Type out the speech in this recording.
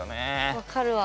分かるわ。